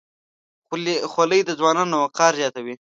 خولۍ د ځوانانو وقار زیاتوي.